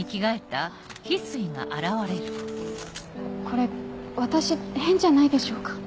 これ私変じゃないでしょうか？